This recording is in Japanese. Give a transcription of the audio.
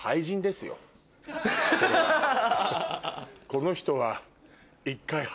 この人は。